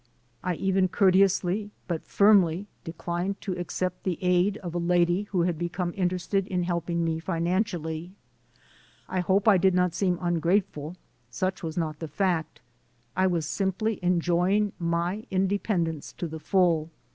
I even courteously but firmly declined to ac cept the aid of a lady who had become interested ii; helping me financially. I hope I did not seem un grateful; such was not the fact. I was simply en joying my independence to the full.